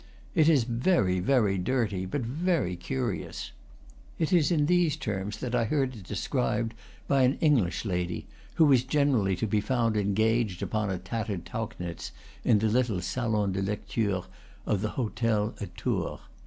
"It is very, very dirty, but very curious," it is in these terms that I heard it described by an English lady, who was generally to be found engaged upon a tattered Tauchnitz in the little salon de lecture of the hotel at Tours.